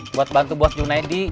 buat bantu bos junedi